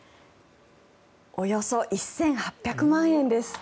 およそ１８００万円です。